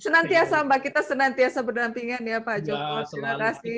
senantiasa mbak kita senantiasa berdampingan ya pak joko terima kasih